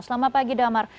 selamat pagi damar